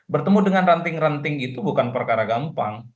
bertemu dengan ranting ranting itu bukan perkara gampang